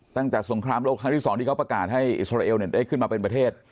สงครามโลกครั้งที่๒ที่เขาประกาศให้อิสราเอลได้ขึ้นมาเป็นประเทศ